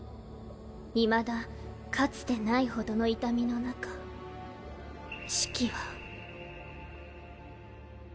いまだかつてないほどの痛みの中シキは。